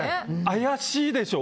怪しいでしょ。